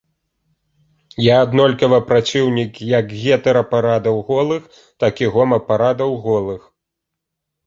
Я аднолькава праціўнік як гетэрапарадаў голых, так і гомапарадаў голых.